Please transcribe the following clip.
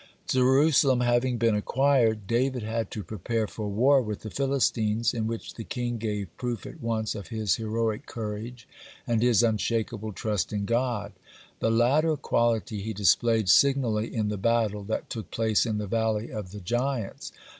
(53) Jerusalem having been acquired, David had to prepare for war with the Philistines, in which the king gave proof at once of his heroic courage and his unshakable trust in God. The latter quality he displayed signally in the battle that took place in the Valley of the Giants.